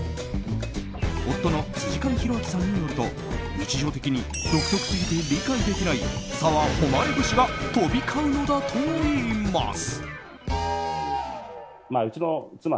夫の辻上裕章さんによると日常的に独特すぎて理解できない澤穂希節が飛び交うのだといいます。